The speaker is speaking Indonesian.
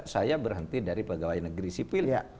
saya berhenti dari pegawai negeri sipil